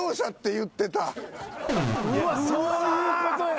うわっそういうことや。